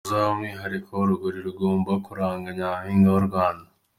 Uru ngo ruzaba ari umwihariko w’urugori rugomba kuranga Nyampinga w’u Rwanda.